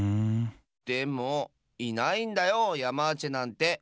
でもいないんだよヤマーチェなんて！